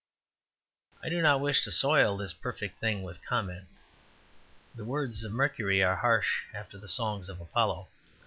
I do not wish to soil this perfect thing with comment; the words of Mercury are harsh after the songs of Apollo.